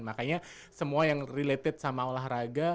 makanya semua yang related sama olahraga